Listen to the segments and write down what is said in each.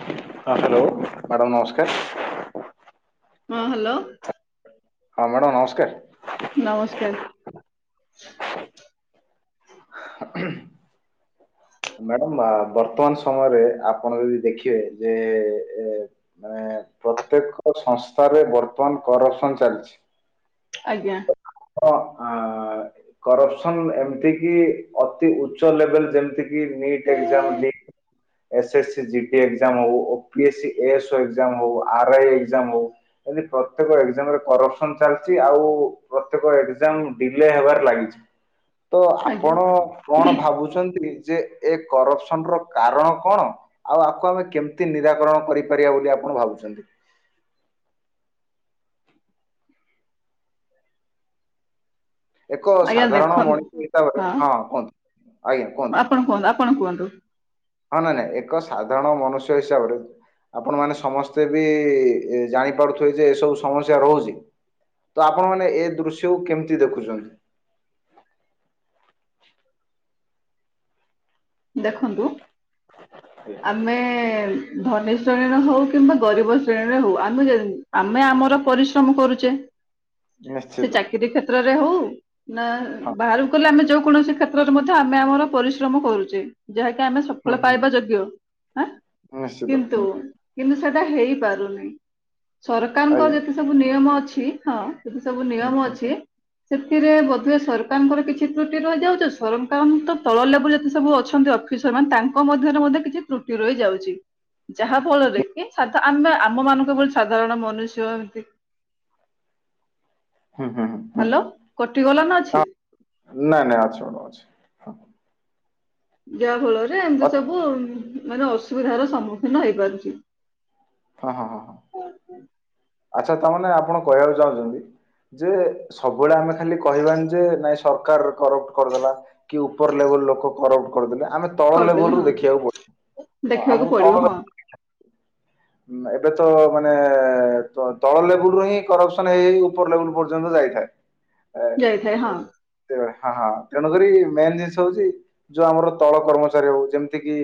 Hello madam ନମସ୍କାର। ହଁ hello. ହଁ ମ୍ୟାଡ଼ାମ ନମସ୍କାର। ନମସ୍କାର। [inaudible] ମ୍ୟାଡାମ ବର୍ତ୍ତମାନ ସମୟରେ ଆପଣ ଯଦି ଦେଖିବେ ଯେ ଏ ମାନେ ପ୍ରତ୍ୟେକ ସଂସ୍ଥାରେ ବର୍ତ୍ତମାନ କରପସନ ଚାଲିଛି। ଆଜ୍ଞା। ହଁ ଆ କରପସନ ଏମିତି କି ଅତି ଉଚ୍ଚ ଲେବଲ ଯେମିତି କି NEET exam leak S S GK exam ହଉ ଓପିଏସ୍ ଏସ ଏଗଜାମ୍ ହଉ ଆର ଆଇ ଏଗଜାମ ହଉ କହିଲି ପ୍ରତ୍ୟେକ ଏଗଜାମ୍ ରେ କରପସନ ଚାଲିଛି ଆଉ ପ୍ରତ୍ୟେକ ଏକ୍ଜାମ ଡିଲେ ହେବାରେ ଲାଗିଛି। ତ ଆଜ୍ଞା ଆପଣ କଣ ଭାବୁଛନ୍ତି ଯେ ଏ କରପସନ ର କାରଣ କଣ। ଆଉ ଆକୁ ଆମେ କେମିତି ନିରାକରଣ କରିପାରିବା ବୋଲି ଆପଣ ଭାବୁଛନ୍ତି। ଏକ ଆଜ୍ଞା ସାଧାରଣ ଦେଖନ୍ତୁ ମଣିଷ ହିସାବରେ ହଁ କୁହନ୍ତୁ ଆଜ୍ଞା କୁହନ୍ତୁ। ଆପଣ କୁହନ୍ତୁ ଆପଣ କୁହନ୍ତୁ? ହଁ ନା ନାଇଁ ଏକ ସାଧାରଣ ମନୁଷ୍ୟ ହିସାବରେ ଆପଣ ମାନ ସମସ୍ତେ ବି ଜାଣିପାରୁଥିବେ ଯେ ଏସବୁ ସମସ୍ୟା ରହୁଛି ତ ଆପଣମାନୋନେ ଏ ଦୃଶ୍ୟକୁ କେମିତି ଦେଖୁଛନ୍ତି? ଦେଖନ୍ତୁ ଆମେ ଏ ଏ - ଧନୀର୍ ଶ୍ରେଣୀର ହଉ କିମ୍ବା ଗରିବ ଶ୍ରେଣୀର ହଉ ଆମେ ଯେ ଆମେ ଆମର ପରିଶ୍ରମ କରୁଚେ ସେ ନିଶ୍ଚିତ ଚାକିରୀ କ୍ଷେତ୍ରରେ ହଉ ନା ହଁ ବାହାରୁକୁ ଗଲେ ଆମେ ଯୋଉ କୌଣସି କ୍ଷେତ୍ରରେ ମଧ୍ୟ ଆମେ ଆମର ପରିଶ୍ରମ କରୁଚେ। ଯାହାକି ଆମେ ହୁଁ ସଫଳ ହୁଁ ପାଇବା ଯୋଗ୍ୟ ଆଁ ନିଶ୍ଚିତ କିନ୍ତୁ ହୁଁ କିନ୍ତୁ ସେଟା ହେଇପାରୁନେଇଁ ସରକାରଙ୍କ ଆଜ୍ଞା। ଯେତେ ସବୁ ନିୟମ ଅଛି ହଁ ସେଠି ସବୁ ହୁଁ ନିୟମ ହୁଁ ଅଛି ହୁଁ ସେଥିରେ ବୋଧେ ସରକାରଙ୍କର କିଛି ତ୍ରୁଟି ରହିଯାଉଚି ସରକାରଙ୍କ ତଳ ଲେବୁଲ ଯେତେ ସବୁ ଅଛ ଛନ୍ତି ଅଫିସର ମାନେ ତାଙ୍କ ମଧ୍ୟରେ ମଧ୍ୟ କିଛି ତ୍ରୁଟି ରହିଯାଉଚି। ଯାହା ଫଳରେ କି ସାଧା ଆମେ ଆମ ମାନଙ୍କ ଭଳି ସାଧାରଣ ମନୁଷ୍ୟ ଏମତି ହୁଁ ହୁଁ ହୁଁ ହ୍ୟାଲୋ କଟିଗଲା ନା ଅଛି ହଁ। ନାଇଁ ନାଇଁ ଅଛି ମୋର ଅଛି। ଯାହା ଫଳରେ ଏମିତି ଅତ୍ ସବୁ ମାନେ ଅସୁବିଧାର ସମ୍ମୁଖୀନ ହେଇପାରୁଚି। ହଁ ହଁ ହଁ ହଁ। ଆଚ୍ଛା ତା ମାନେ ଆପଣ କହିବାକୁ ଚାହୁଁଚନ୍ତି ଯେ ସବୁବେଳେ ଆମେ ଖା ଖାଲି କହିବାନି ଯେ ନାଇଁ ସରକାର କରପ୍ଟ କରିଦେଲା କି ଉପର ଲେବୁଲ ଲୋକ କରପ୍ଟ କରିଦେଲେ ଆମେ ତଳ କରିଦେଲେ ଲେବୁଲ୍ ରୁ ହଁ ଦେଖିବାକୁ ପଡ଼ିବ ହଁ ଦେଖିବାକୁ ଆମକୁ ପଡିବ ତଳ ହଁ ଲେ ଏବେ ତ ମାନେ ଏ ଏ ଏ ତଳ ଲେବୁଲ୍ ରୁ ହିଁ କରପ୍ସନ ହେଇ ହେଇ ଉପର ଲେବୁଲ୍ ପର୍ଯ୍ୟନ୍ତ ଯାଇଥାଏ। ଁ ଯାଇଥାଏ ହଁ। ତେ ହଁ ହଁ ତେଣୁକରି ମେନ୍ ଜିନିଷ ହଉଚି ଯୋଉ ଆମର ତଳ କର୍ମଚାରୀ ହଉ ଯେମତି କିି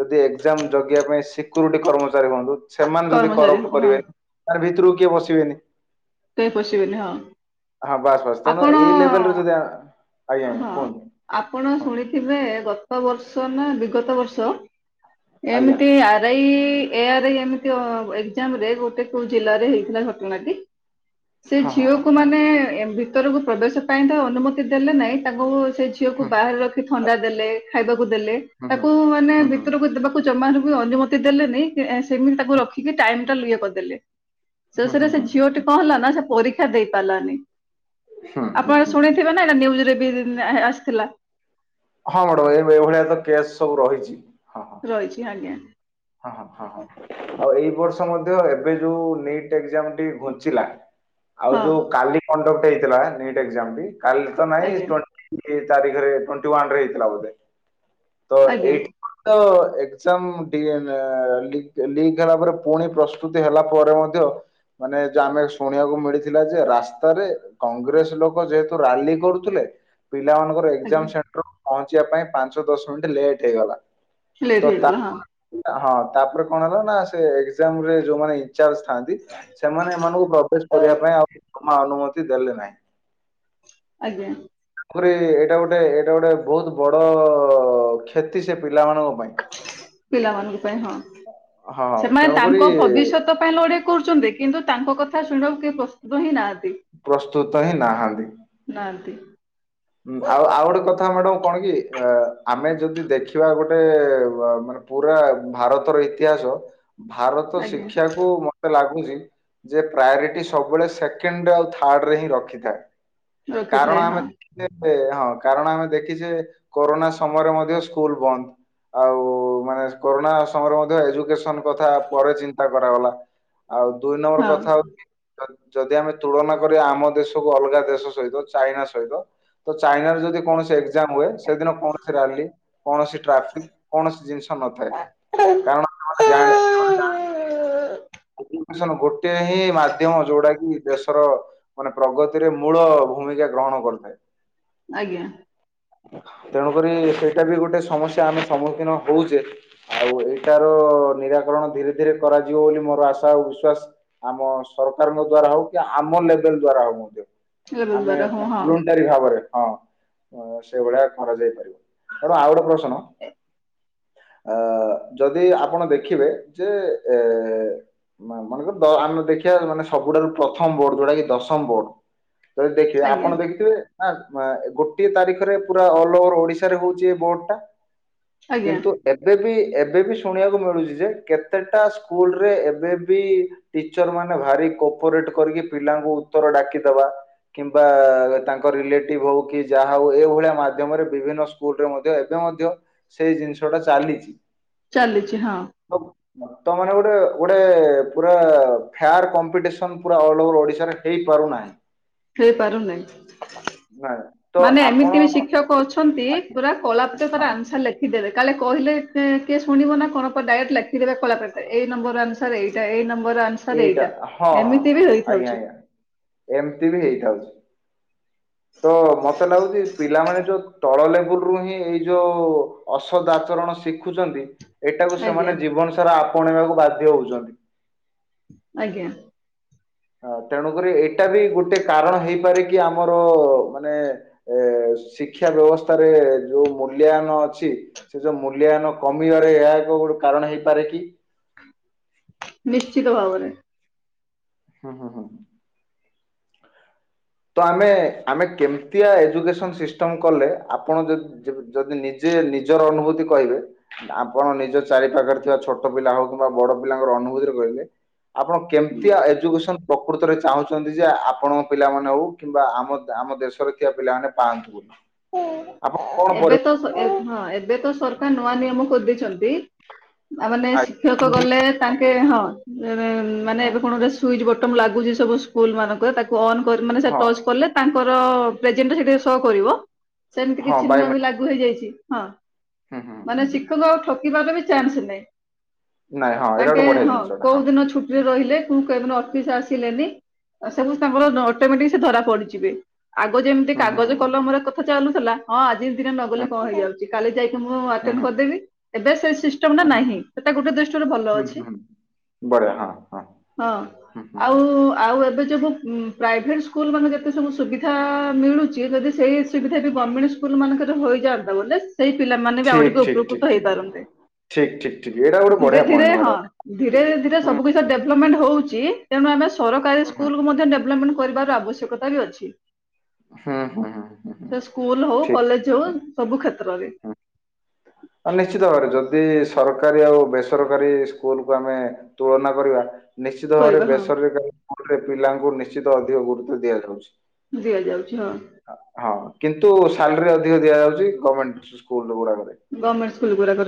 ଯଦି ଏକ୍ଜାମ୍ ଜଗିବା ପାଇଁ ସିକ୍ୟୁରିଟି କର୍ମଚାରୀ ହୁଅନ୍ତୁ ସେମାନେ ଯଦି କର୍ମଚାରୀ କରପ୍ଟ ହଁ କରିବେନି ତାର୍ ଭିତରକୁ କିଏ ପଶିବେନି। କେହି ପଶିବେନି ହଁ। ହଁ ବାସ୍ ବାସ୍ ତଣୁ ଏଇ ଲେବଲ୍ ରୁ ଆପଣ ଯଦି ଆ ଆଜ୍ଞା ଆଜ୍ଞା ହଁ କୁହନ୍ତୁ? ଆପଣ ହଁ ଶୁଣିଥିବେ ଗତ ବର୍ଷ ନା ବିଗତ ବର୍ଷ ଆଜ୍ଞା ଏମିତି ଆ ରାଇ ଏ ଆର ଆଇ ଏମିତି ଅ ଏକ୍ଜାମ ରେ ଗୋଟେ କୋଉ ଜିଲ୍ଲାରେ ହେଇଥିଲା ଘଟଣାଟି। ସେ ହଁ ହଁ ଝିଅକୁ ହଁ ମାନେ ଏମ୍ ଭିତରକୁ ପ୍ରବେଶ ପାଇଁ ତ ଅନୁମତି ଦେଲେ ନାଇଁ ତାଙ୍କୁ ସେ ଝି ଝିଅକୁ ହଁ ବାହାରେ ରଖି ଥଣ୍ଡା ଦେଲେ ଖାଇବାକୁ ଦେଲେ ହୁଁ ତାକୁ ମାନେ ହୁଁ ହୁଁ। ଭିତରକୁ ଯିବା କୁ ଜମାରୁ ବି ଅନୁମତି ଦେଲେନି ସେ ଏଁ ସେମିତି ତାକୁ ରଖିକି ଟାଇମ ଟା ଇଏ କରିଦେଲେ। ହୁଁ ଶେଷରେ ହୁଁ ହୁଁ ହୁଁ ହୁଁ ହୁଁ ସେ ଝିଅଟି ହୁଁ କଣ ହେଲା ନା ସେ ପରୀକ୍ଷା ଦେଇ ପାରଲାନି ହୁଁ ହୁଁ ଆପଣ ହୁଁ। ଶୁଣି ଥିବେ ନା ଏଟା ନ୍ଯୁଜ୍ ରେ ବି ଆସିଥିଲା। ହଁ ମାଡମ୍ ଏ ଏଇଭଳିଆ ତ କେସ୍ ସବୁ ରହିଚି। ରହିଚି ଆଜ୍ଞା। ହଁ ହଁ ହଁ ହଁ ଆଉ ଏଇ ବର୍ଷ ମଧ୍ୟ ଏବେ ଯୋଉ ନିଟ୍ ଏକ୍ଜାମ୍ ଟି ଘୁଞ୍ଚିଲା ଆଉ ହଁ ଯୋଉ କାଲି କଣ୍ଡକ୍ଟ ହେଇଥିଲା ନିଟ୍ ଏକ୍ଜାମ ଟି କାଲି ତ ନାଇଁ ଆଜ୍ଞା ଟୁଣ୍ଟ ଇଏ ତାରିଖରେ ଟ୍ଵେଣ୍ଟି ୱାନ୍ ରେ ହେଇଥିଲା ବୋଧେ ତ ଆଜ୍ଞା ଏଇଠ ତ ଏକ୍ଜାମ୍ ଟିକେ ନେ ଏ ଏ ଲିକ୍ ଲିକ ହେଲା ପରେ ପୁଣି ପ୍ରସ୍ତୁତି ହେଲା ପରେ ମଧ୍ୟ ମାନେ ଯୋଉ ଆମେ ଶୁଣିବାକୁ ମିଳିଥିଲା ଯେ ରାସ୍ତାରେ କଂଗ୍ରେସ୍ ଲୋକ ଯେହେତୁ ରାଲି କରୁଥୁଲେ ପିଲାମାନଙ୍କ ତ ଆଜ୍ଞା ଏକ୍ଜାମ ସେଣ୍ଟର ପହଞ୍ଚିବା ପାଇଁ ପାଞ୍ଚ ଦଶ ମିଣ୍ଟି ଲେଟ୍ ହେଇଗଲା ଲେଟ୍ ତ ହେଇଗଲା ହଁ ତାଙ୍କ ହଁ ତାପରେ କଣ ହେଲା ନା ସେ ଏକ୍ଜାମ ରେ ଯୋଉମାନେ ଇଁ ଚାର୍ଜ ଥାଆନ୍ତି ସେମାନେ ଏମାନଙ୍କୁ ପ୍ରବେଶ କରିବା ପାଇଁ ଆଉ ଜମା ଅନୁମତି ଦେଲେ ନାହିଁ। ଆଜ୍ଞା। ତାପରେ ଏଇଟା ଗୋଟେ ଏଇଟା ଗୋଟେ ବହୁତ୍ ବଡ କ୍ଷତି ସେ ପିଲାମାନଙ୍କ ପାଇଁ। ପିଲାମାନଙ୍କ ପାଇଁ ହଁ, ହଁ ସେମାନେ ତେଣୁକରି ତାଙ୍କ ଭବିଷ୍ୟତ ପାଇଁ ଲଢେଇ କରୁଛନ୍ତି କିନ୍ତୁ ତାଙ୍କ କଥା ଶୁଣିବାକୁ କେହି ପ୍ରସ୍ତୁତ ହିଁ ନାହାନ୍ତି। ପ୍ରସ୍ତୁତ ହିଁ ନାହାନ୍ତି। ନାହାନ୍ତି ଆଉ ଆଉ ଗୋଟେ କଥା ମ୍ୟାଡମ୍ କଣ କି ଆମେ ଯଦି ଦେଖିବା ଗୋଟେ ମାନେ ପୁରା ଭାରତର ଇତିହାସ ଭାରତ ଆଜ୍ଞା ଶିକ୍ଷାକୁୁ ମ ମତେ ଲାଗୁଛି ଯେ ପ୍ରାୟୋରିଟି ସବୁବେଳେ ସେକେଣ୍ଡରେ ଆଉ ଥାର୍ଡ ରେ ହିଁ ରଖିଥାଏ। ରଖିଥାଏ କାରଣ ହଁ ଆମେ ତେବେ, ହଁ କାରଣ ଆମେ ଦେଖିଛେ କୋରୋନା ସମୟରେ ମଧ୍ୟ ସ୍କୁଲ ବନ୍ଦ ଆଉ ମାନେ କରୋନା ସମୟରେ ମଧ୍ୟ ଏଜୁକେସନ୍ କଥା ପରେ ଚିନ୍ତା କରାଗଲା। ଆଉ ଦୁଇ ନମ୍ବର ହଁ। କଥା ହଉଛି ଯଦି ଆମେ ତୁଳନା କରିବା ଆମ ଦେଶକୁ ଅଲଗା ଦେଶ ସହ ସେ ଯୋଉ ଚାଇନା ସହିତ ତ ଚାଇନାରେ ଯଦି କୌଣସି ଏ ଏଜାମ୍ ହୁଏ, ସେଦିନ କୌଣସି ରାଲି କୌଣସି ଟ୍ରାଫିକ୍ କୌଣସି ଜିନିଷ ନଥାଏ। କାରଣ ଜାଣି ସେମାନେ ଜାଣି ସେମାନେ ଜାଣି ହୁଁ ଗୋଟେ ହିଁ ମାଧ୍ୟମ ଯୋଉଟା କି ଦେଶର ମାନେ ପ୍ରଗତିରେ ମୂଳ ଭୂମିକା ଗ୍ରହଣ କରିଥାଏ ଆଜ୍ଞା ତେଣୁକରି ସେଇଟା ବି ଗୋଟେ ସମସ୍ୟା ଆମେ ସମ୍ମୁଖୀନ ହଉଛେ। ଆଉ ଏଇଟାର ନିରାକରଣ ଧୀରେ ଧୀରେ କରାଯିବ ବୋଲି ମୋର ଆଶା ଆଉ ବିଶ୍ଵାସ। ଆମ ସରକାରଙ୍କ ଦ୍ଵାରା ହଉ କି ଆମ ଲେବଲ ଦ୍ଵାରା ହଉ ମଧ୍ୟ, ଲେବଲ ଆମେ ଦ୍ଵାରା ହଁ ହଁ ଭଲୁଣ୍ଟାରୀ ଭାବରେ ହଁ ସେଭଳିଆ କରାଯାଇ ପାରିବ ତେଣୁ ଆଉ ଗୋଟେ ପ୍ରଶ୍ନ ଅ ଯଦି ଆପଣ ଦେଖିବେ ଯେ ଏ ମନେକର ଆମେ ଦେଖିବା ମାନେ ସବୁଠାରୁ ପ୍ରଥମ ବୋର୍ଡ ଯୋଉଟା କି ଦଶମ ବୋର୍ଡ, ଯଦି ଦେଖିବେ ଆଜ୍ଞା ଆପଣ ଦେଖିଥିବେ, ନା ଗୋଟିଏ ତାରିଖରେ ପୁରା ଅଲ ଓଭର ଓଡିଶାରେ ହଉଛି ଏ ବୋଡ ଟା, ଆଜ୍ଞା କିନ୍ତୁ ଏବେ ବି ଏବେ ବି ଶୁଣିବାକୁ ମିଳୁଛି ଯେ କେତେଟା ସ୍କୁଲରେ ଏବେ ବି ଟିଚର ମାନେ ଭାରି କୋପରେଟ କରିକି ପିଲାଙ୍କୁ ଉତ୍ତର ଡାକିଦବା କିମ୍ବା ତାଙ୍କ ରିଲେଟିଭ ହଉ କି ଯାହା ହଉ ଏଇଭଳିଆ ମାଧ୍ୟମରେ ବିଭିନ୍ନ ସ୍କୁଲରେ ମଧ୍ୟ ଏବେ ମଧ୍ୟ, ସେଇ ଜିନିଷ ଟା ଚାଲିଛି ଚାଲିଛି ହଁ ତ ମାନେ ଗୋଟେ ଗୋଟେ ପୁର ଫାର କମ୍ପିଟିସନ ଅଲ ଅପ ଓଡିଶାରେ ହେଇପାରୁନାହିଁ ହେଇପାରୁନାହିଁ, ହଁ ମାନେ ଏମିତି ବି ଶିକ୍ଷକ ଅଛନ୍ତି ପୁରା କଳାପଟି ତାର ହଁ ଆସାଂର ଲେଖି। ଲେଖିଦେବେ କା କହିଲେ କିଏ ଶୁଣିବ ନା କଣ ଡାରେଟେ ଲେଖିଦେବେ କଳାପଟା ଏଇ ନମ୍ବର ସାର ଏଇଟା ଏଇ ନମ୍ବର ଆସାଂର ଏଇଟା ହଁ ହଁ ଏମିତି ବି ଆଜ୍ଞା ହେଇଥାଉଛି, ଆଜ୍ଞା ଏମିତି ବି ହେଇଥାଉଛି, ତ ମତେ ଲାଗୁଛି ପିଲାମାନେ ଯୋଉ ତଳ ଲେବୁଲୁ ହିଁ ଏଇ ଯୋଉ ଅସଦା ଆଚରଣ ଶିଖୁଛନ୍ତି ଏଇଟାକୁ ଆଜ୍ଞା ସେମାନେ ଜୀବନ ସାରା ଆପଣେଇବାକୁ ବାଧ୍ୟ ହଉଛନ୍ତି, ଆଜ୍ଞା। ହଁ ତେଣୁକରି ଏଇଟା ବି ଗୋଟେ କାରଣ ହେଇପାରେ କି ଆମର ମାନେ ଏ ଶିକ୍ଷା ବ୍ୟବସ୍ଥାରେ ଯୋଉ ମୂଲ୍ୟାୟନ ଅଛି ସେ ଯୋଉ ମୂଲ୍ୟାୟନ କମିବାରେ ଏହା ଏକ ଗୋଟେ କାରଣ ହେଇପାରେ କି? ନିଶ୍ଚିତ ଭାବରେ। ହଁ ହଁ ହଁଁ ହଁ। ତ ଆମେ ଆମେ କେମିତିଆ ଏଜୁକେସନ ସିଷ୍ଟମ କଲେ ଆପଣ ଯଦି ଯେବେ ଯଦି ନିଜେ ନିଜର ଅନୁଭୂତି କହିବେ ଆପଣ ନିଜ ଚାରି ପାାଖରେ ଥିବା ଛୋଟ ପିଲା ହଉ କିମ୍ବା ବଡ଼ ପିଲାଙ୍କର ଅନୁଭୂତିରେ କହିଲେ। ଆପଣ କେମିତିଆ ଏଜୁକେସନ ପ୍ରକୃତରେ ଚାହୁଁଛନ୍ତି ଯେ ଆପଣଙ୍କ ପିଲାମା ହଉ କିମ୍ବା ଆମ ଆମ ଦେଶରେ ଥିବା ପିଲାମାନେ ପାଆନ୍ତୁ ବୋଲି। ଆପଣ କଣ ଏବେ ପରି ତ ସ ଏ ହଁ ଏବେ ତ ସରକାର ନୂଆ ନିୟମ କରିଦେଇଛନ୍ତି। ଆ ମାନେ ଶିକ୍ଷକ ଗଲେ ତାଙ୍କେ ହଁ ମାନେ ହଁ ଏବେ କଣ ଗୋଟେ ସୁଇଚ୍ ବ ଟମ୍ ଲାଗୁଛି ସବୁ ସ୍କୁଲ ମାନଙ୍କରେ ତାକୁ ଅନ୍ କରି ମାନେ ସେ ହଁ ଟର୍ଚ କଲେ ତାଙ୍କର ପ୍ରେଜେଣ୍ଟ ସେଟାରେ ସୋ କରିବ ସେମିତି ହଁ କିଛି ନିୟମ ବି ବାୟୋମେଟ୍ରିକ ଲାଗୁ ହେଇଯାଇଛି ହଁ। ହୁଁ ହୁଁ ମାନେ ହୁଁ ହୁଁ। ଶିକ୍ଷକ ଆଉ ଠକିବାର ବି ଚାନ୍ସ ନାହିଁ। ନାଇଁ ହଁ ଏଇଟା ତାଙ୍କେ ଗୋଟେ ବଢିଆ ହଁ ଜିନିଷଟା କୋଉ ଦିନ ଛୁ ରହିଲେ କୁ କେଦିନ ଅଫିସ ଆସିଲେନି ସବୁ ତାଙ୍କର ଅଟୋମେଟିକ୍ ସେ ଧରା ପଡ଼ିଜିବେ। ଆଗ ଯେମିତି ହୁଁ ହୁଁ କାଗଜ ହୁଁ କଲମରେ କଥା ଚାଲୁଥିଲା ହଁ ଆଜି ଦିନ ନଗଲେ କଣ ହେଇଯାଉ କାଲି ଯାଇକି ମୁଁ ହୁଁ ଆଟେଣ୍ଡ ହୁଁ କରିଦେବି ଏବେ ସେ ସିଷ୍ଟମ୍ ଟା ହୁଁ ହୁଁ ନାହିଁ ସେଟା ଗୋଟେ ଦୃଷ୍ଟିରୁ ଭଲ ଅଛି। ବରା ହଁ ହଁ। ହଁ ହୁଁ, ହୁଁ, ହୁଁ। ଆଉ ଆଉ ଏବେ ଯବୁ ଉ ପ୍ରାଇଭେଟ ସ୍କୁଲ ମାନେ ଯେତେ ସବୁ ସୁବିଧା ମିଳୁଛି ଯଦି ସେଇ ସୁବିଧା ବି ଗର୍ମେଣ୍ଟ ସ୍କୁଲ ମାନଙ୍କରେ ହୋଇଯାଆନ୍ତା [unintelligible] ସେଇ ପିଲାମାନେ ବି ଆଉ ଠିକ୍, ଟିକେ ଠିକ୍, ଠିକ୍, ଉପକୃତ ଠିକ୍, ହେଇପାରନ୍ତେ ଠିକ୍, ଠିକ୍, ଠିକ୍ ଏଇଟା ଗୋଟେ ଧୀରେ ବଢ଼ିଆ ପଏଣ୍ଟ ଧୀରେ ହଁ। ମ୍ୟାଡାମ୍। ଧୀରେ ହୁଁ, ଧୀରେ ସବୁ ହୁଁ, କିିଛିର ଡେଭ୍ଲପମେଣ୍ଟ ହଉଛି। ତେଣୁ ଆମେ ସରକାରୀ ହୁଁ, ସ୍କୁଲକୁ ମଧ୍ୟ ଡେଭଲପମେଣ୍ଟ କରିବାର ଆବଶ୍ୟକତା ବି ଅଛି। ହୁଁ ହୁଁ ହୁଁ। ହୁଁ, ସେ ସ୍କୁଲ ହଉ ଠିକ୍, କଲେଜ ହଉ ସବୁ କ୍ଷେତ୍ରରେ। ହୁଁ। ନିଶ୍ଚିତ ଭାବରେ ଯଦି ସରକାରୀ ଆଉ ବେସରକାରୀ ସ୍କୁଲକୁୁ ଆମେ ତୁଳନା କରିବା। ନିଶ୍ଚିତ ଭାବରେ କରିବା ହଁ ବେସରକାରୀ ସ୍କୁଲ ରେ ପିଲାଙ୍କୁ ନିସ ଶ୍ଚିତ ଅଧିକ ଗୁରୁତ୍ୱ ଦିଆଯାଉଛି। ଦିଆଯାଉଛି ହଁ ହଁ କିନ୍ତୁ ସାଲରୀ ଅଧିକ ଦିଆଯାଉଛି ଗଭର୍ଣମେଣ୍ଟ ସ୍କୁଲ ଗୁରାକରେ। ଗଭର୍ମେଣ୍ଟ ସ୍କୁଲ୍ ଗୁରାକରେ?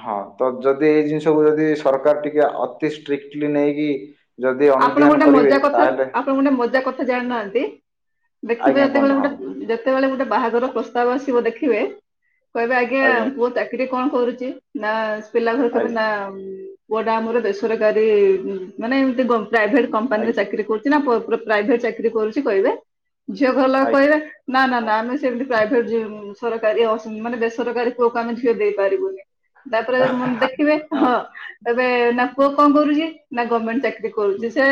ହଁ ତ ଯଦି ଏଇ ଜିନିଷକୁ ଯଦି ସରକାର ଟିକେ ଅତି ଷ୍ଟ୍ରିକ୍ଟଲି ନେଇକି ଯଦି ଆପଣ ଅନୁଧ୍ୟାନ ଗୋଟେ କରିବେ ମଜା କଥା ତାହେଲେ ଆପଣ ଗୋଟେ ମଜା କଥା ଜାଣିନାହାନ୍ତି ଦେଖିବେ ଆଜ୍ଞା ଯେତେବେଳେ କୁହନ୍ତୁ ହଁ ଗୋଟେ ଯେତେବେଳେ ଗୋଟେ ବାହାଘର ପ୍ରସ୍ତାବ ଆସିବ ଦେଖିବେ କହିବେ ଆଜ୍ଞା ପୁଅ ଚାକିରି କଣ କରୁଚି? ନା ପିଲା ଘରେ କହିବେ ଆଜ୍ଞା ନା ପୁଅଟା ଆମର ବେସରକାରୀ ମାନେ ଏମତି ଗ ପ୍ରାଇଭେଟ କମ୍ପାନୀରେ ଆଜ୍ଞା ଚାକିରି କରୁଛି ନା ପ୍ର ପୁଅ ପ୍ରାଇଭେଟ୍ ଚାକିରି କରୁଛି କହିବେ ଝିଅ ଘର ଲୋକ ଆଜ୍ଞା କହିବେ ନା ନା ନା ଆମେ ସେମିତି ପ୍ରାଇଭେଟ୍ ସରକାରୀ ମାନେ ବେସରକାରୀ ପୁଅକୁ ଆମେ ଝିଅ ଦେଇପାରିବୁନି। ତାପରେ ଦେଖିବେ ହଁ ଏବେ ନା ପୁଅ କଣ କରୁଛି ନା ଗଭର୍ଣମେଣ୍ଟ ଚାକିରୀ ହୁଁ, କରୁଛି ସେ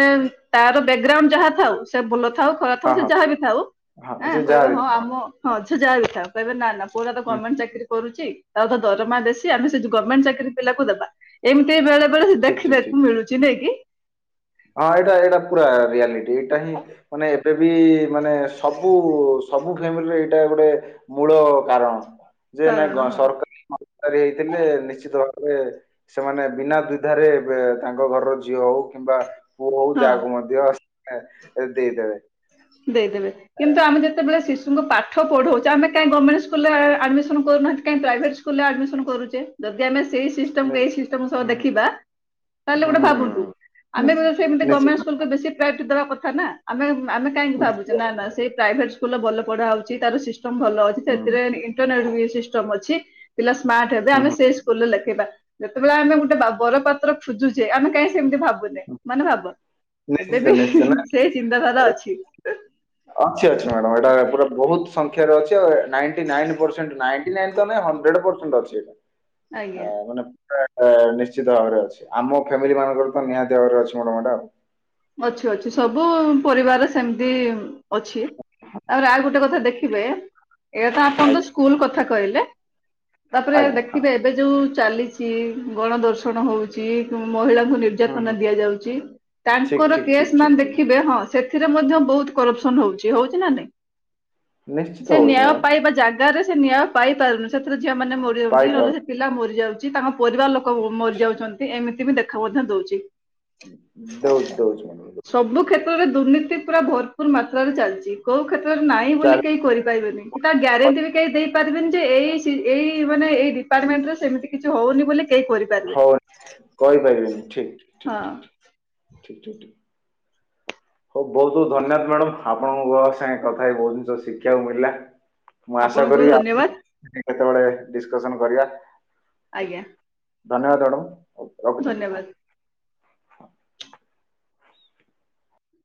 ତାର ବ୍ୟାଗ୍ରାଉଣ୍ଡ ଯାହା ଥାଉ ସେ ଭଲ ଥାଉ ଖରା ଥାଉ ହଁ ସେ ହଁ ଯାହା ବି ଥାଉଁ ହଁ ସେ ଆଁ ଯାହା କହିବେ ବି ହଁ ଥାଉ ଆମ ହଁ ଝିଅ ଯାହା ବି ଥାଉ କହିବେ ନା ନା ପୁଆଟା ତ ହୁଁ ଗମେଣ୍ଟ ଚାକିରି କରୁଛି ତାର ତ ଦରମା ବେସି ଆମେ ସେ ଗମେଣ୍ଟ ଚାକିର ପିଲାକୁ ଦେବା। ଏମିତି ବେଳେ ବେଳେ ସେ ଠିକ୍ ଠିକ୍ ଦେଖିବାକୁ ମିଳୁଛି ଠିକ୍। ନାଇଁ କି? ହଁ ଏଇଟା ଏଇଟା ପୁରା ରିଆଲିଟି ଏଇଟା ହିଁ ମାନେ ଏବେ ବି ମାନେ ସବୁ। ସବୁ ଫ୍ୟାମିଲିରେ ଏଇଟା ଗୋଟେ ମୂଳ କାରଣ ଯେ ନାଇଁ କାରଣ ଗ ହଁ ସର କାରେ ହେଇଥିଲେ ନିଶ୍ଚିତ ଭାବରେ। ସେମାନେ ବିନା ବିଧାରେ ଏ ତାଙ୍କ ଘରର ଝିଅ ହଉ କିମ୍ବା। ପୁଅ ହଉ ହଁ ଯାହାକୁ ମଧ୍ୟ ଦେଇଦେବେ। ଦେଇଦେବେ ଏ, କିନ୍ତୁ ଆମେ ଯେତେବେଳେ ଶି ଶୁଙ୍କୁ ପାଠ ପଢଉଛେ ଆମ କାଇଁ ଗଭର୍ଣ୍ଣେଣ୍ଟ ସ୍କୁଲ ରେ ଆ ଆଡମିସନ କରୁନାହାନ୍ତି କାହିଁ ପ୍ରାଇଭେଟ ସ୍କୁଲ ରେ ଆଡମିସନ କରୁଚେ? ଯଦି ଆମେ ସେଇ ସିଷ୍ଟମକୁ ନି- ଏଇ ସିଷ୍ଟମ ସହ ହୁଁ ଦେଖିବା। ତାହେଲେ ହୁଁ ଗୋଟେ ହୁଁ ଭାବନ୍ତୁ ହୁଁ। ଆମେ ସେମିତି ନିଶ୍ଚ- ଗମେଣ୍ଟ ସ୍କୁଲକୁ ବେଶୀ। ଦେବା କଥା ନା ଆମେ ଆମେ କାହିଁକି ଭାବୁଛେ ନିଶ୍ଚିତ ନା ନା ନିଶ୍ଚିତ ସେ। ପ୍ରାଇଭେଟ ସ୍କୁଲ ରେ ଭଲ ପଢା ହଉଛି ତାର ସିଷ୍ଟମ ଭଲ ଅଛି ହୁଁ ସେଥିରେ ଇଣ୍ଟେରନାଲ୍ ସିଷ୍ଟମ୍ ଅଛି ପିଲା ସ୍ମାର୍ଟ ହେବେ ହୁଁ ଆମେ ହୁଁ। ସେଇ ସ୍କୁଲରେ ଲେଖେଇବା। ଯେତେବେଳେ ଆମେ ଗୋଟେ ବର ପାତ୍ର ଖୁଜୁଚେ ଆମେ କାହିଁ ସେମିତି ଭାବୁନେ ମାନେ ଭାବ। ନିଶ୍ଚୟ ଏବେବି ନିଶ୍ଚୟ ନା ସେଇ ଚିନ୍ତାଧାରା ଅଛି। ଅଛି ଅଛି ମ୍ୟାଡ଼ାମ ଏଟା ପୁରା ବହୁତ୍। ସଂଖାରେ ଅଛି ଆଉ ninety nine percent ninety nine ତ ନାଇଁ ହନଡ୍ରେଡ଼ ପର୍ଷେଣ୍ଟ ଅଛି ଏଟା। ଆଜ୍ଞା ଆ ମାନେ ପୁରା। ଆ ନିଶ୍ଚିତ ଭାବରେ ଅଛି ଆମ ଫ୍ୟାମିଲି ମାନଙ୍କରେ ତ ନିହାତି ଭାବରେ ଅଛି ମାଡ଼ାମ ଏଟା। ଅଛି ଅଛି ସବୁ ପରିବାରରେ ସେମତି ଅଛି ତାପରେ ଆଉ ଗୋଟେ କଥା ଦେ ଖିବେ ଏରା ତ ଆପଣ ଆଜ୍ଞା ତ ସ୍କୁଲ କଥା କହିଲେ ତାପରେ ଆଜ୍ଞା ହଁ ଦେଖିବେ। ଏବେ ଯୋଉ ଚାଲିଛି ଗଣ ଦର୍ଶନ ହଉଛି ମହିଳାଙ୍କୁ ହୁଁ ହୁଁ ନିର୍ଯାତନା ଦିଆଯାଉଛି। ଠିକ ତାଙ୍କର ଠିକ ଠିକ କେସ ଠିକ ମାନେ ଠିକ ଦେଖିବେ ହଁ ସେଥିରେ ମଧ୍ୟ ବହୁତ୍ କରପ୍ସନ ହଉଚି ହଉଚି ନା ନାଇଁ? ନିଶ୍ଚିତ ସେ ହଉଛି ନ୍ୟାୟ ମ୍ୟାଡାମ ପାଇବା ଜା ଗାରେ ସେ ନ୍ୟାୟ ପାଇପାରୁନି ସେଥିରେ ଝିଅ ମାନ ମରିଯାଉନ୍ତି ପାଇପାରୁ ନହେଲେ ସେ ପିଲ ମରିଯାଉଚି ତାଙ୍କ ପରିବାର ଲୋ କୋ ମରିଯାଉଚନ୍ତି ଏମିତି ବି ଦେଖା ମଧ୍ୟ ଦଉଚି। ଦଉଛି ଦଉଛି ମ୍ୟାଡାମ ଦଉଛି ସବୁ କ୍ଷେତ୍ରରେ ଦୁର୍ନୀତି ପୁରା ଭରପୁର ମାତ୍ରାରେ ଚାଲଚି। କୋଉ କ୍ଷେତ୍ରରେ ନାହିଁ ବୋଲି ଚାଲି କେହି କରିପାରିବେନି। କି ତା ଗ୍ୟାରେଣ୍ଟି ବି କେହି ଦେଇପାରିବେନି ଯେ ଏଇ ସି ଏଇ ମାନେ ଏଇ ଡିପାର୍ଟମେଣ୍ଟ ରେ ସେମିତି କିଛି ହଉନି ବୋଲି କେହି କହି ହଁ କହିପାରିବେନି ଠିକ୍। ହଁ ଠିକ୍ ଠିକ୍ ଠିକ୍ ଠିକ୍ ଠିକ୍ ଠିକ୍ ହଉ ବହୁତ୍ ବହୁତ୍ ଧନ୍ୟବାଦ ମ୍ୟାଡାମ୍ ଆପଣଙ୍କ ସାଙ୍ଗେ କଥା ହେଇ ବହୁତ ଜିନିଷ ଶିଖିବାକୁ ମିଳିଲା। ମୁଁ ଆଶା ଆପଣଙ୍କୁ ବି କରିବି ଧନ୍ୟବାଦ [inaudible] କେତେବେଳେ ଡିସକସନ କରିବା। ଆଜ୍ଞା। ଧନ୍ୟବାଦ ଅଡମ୍। ଧନ୍ୟବାଦ।